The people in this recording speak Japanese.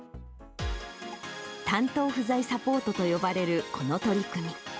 担当不在サポートと呼ばれるこの取り組み。